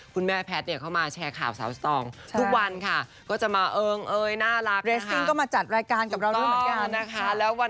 คุณแม่แพทเข้ามาแชร์ข่าวสาวสองสองค่ะ